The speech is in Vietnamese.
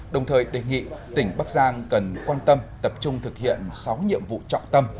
đồng thời đề nghị tỉnh bắc giang cần quan tâm tập trung thực hiện sáu nhiệm vụ trọng tâm